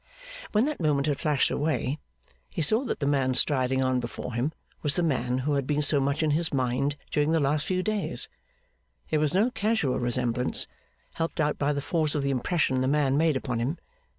When that moment had flashed away, he saw that the man striding on before him was the man who had been so much in his mind during the last few days. It was no casual resemblance, helped out by the force of the impression the man made upon him.